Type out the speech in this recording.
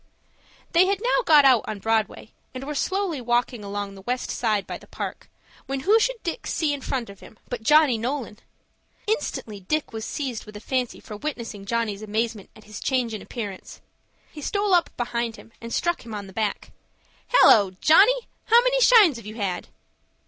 They had now got out on Broadway, and were slowly walking along the west side by the Park, when who should Dick see in front of him, but Johnny Nolan? Instantly Dick was seized with a fancy for witnessing Johnny's amazement at his change in appearance. He stole up behind him, and struck him on the back. "Hallo, Johnny, how many shines have you had?"